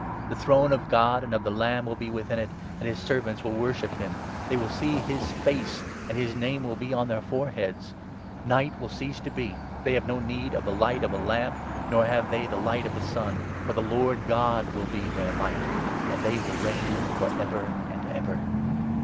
The throne of God and of the Lamb will be within it, and his servants will worship him ; they will see his face, and 4 his name will be on their foreheads. Night will cease to be. 5 They have no need of the light of a lamp, nor have they the light of the sun ; for the ' Lord God will be their light, and they will reign for ever and ever.'